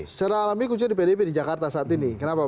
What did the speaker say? secara alami kunci di pdp di jakarta saat ini kenapa